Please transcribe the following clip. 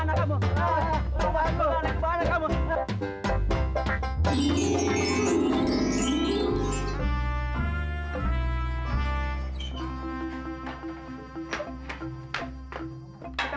mau lagi kemana kamu